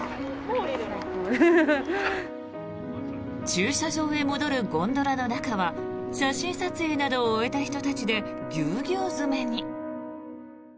駐車場へ戻るゴンドラの中は写真撮影などを終えた人たちでぎゅうぎゅう詰めに。